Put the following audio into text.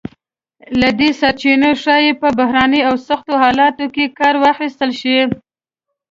له دې سرچینو ښایي په بحراني او سختو حالتونو کې کار واخیستل شی.